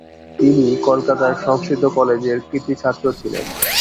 তিনি কলকাতার সংস্কৃত কলেজের কৃতী ছাত্র ছিলেন।